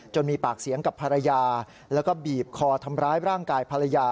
มีปากเสียงกับภรรยาแล้วก็บีบคอทำร้ายร่างกายภรรยา